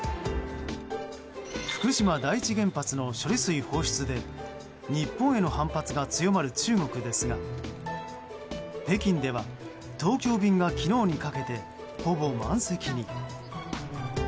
福島第一原発の処理水放出で日本への反発が強まる中国ですが北京では東京便が昨日にかけてほぼ満席に。